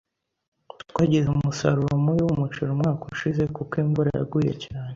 Twagize umusaruro mubi wumuceri umwaka ushize kuko imvura yaguye cyane.